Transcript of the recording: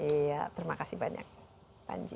iya terima kasih banyak panji